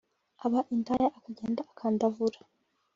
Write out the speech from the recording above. aba indaya akagenda akandavura